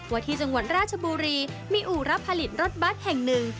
ว่าที่จังหวัดราชบุรีมีอู่รับผลิตรถบัสแห่งหนึ่ง